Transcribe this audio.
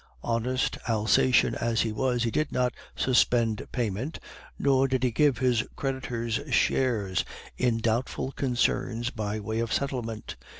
Honest Alsacien as he was, he did not suspend payment, nor did he give his creditors shares in doubtful concerns by way of settlement.